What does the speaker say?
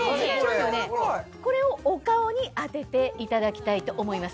これをお顔に当てていただきたいと思います。